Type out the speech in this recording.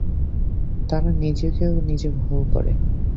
তারা নিজেকেও নিজে ভুল করে।